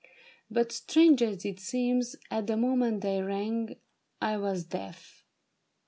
But, strange as it seems, At the moment they rang, I was deaf.